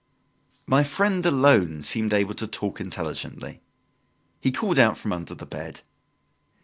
My friend alone seemed able to talk intelligently. He called out from under the bed.